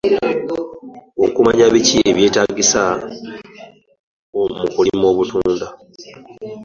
Okumanya biki ebyetaagisa mu kulima obutunda.